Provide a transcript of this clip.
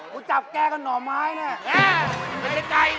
กูจะจับแก่กันหน่อไม้เนี่ยแยะเถ็ดใจ